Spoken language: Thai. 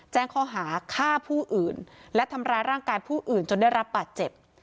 แจ้งข้อหาฆ่าผู้อื่นและทำร้ายร่างกายผู้อื่นจนได้รับบาดเจ็บ